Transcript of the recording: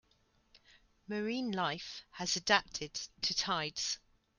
Marine life has adapted to tides.